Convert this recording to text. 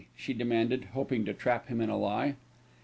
she demanded, hoping to trap him in a lie.